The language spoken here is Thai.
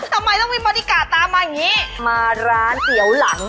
ทำไมต้องมีบอดี้การ์ดตามมาอย่างนี้มาร้านเตี๋ยวหลัง